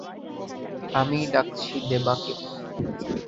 আমি ডাকছি দেবাকে।